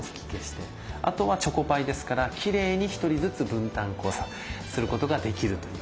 あとはチョコパイですからきれいに１人ずつすることができるという。